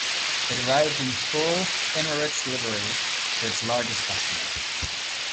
It arrived in full Emirates livery for its largest customer.